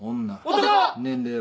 年齢は？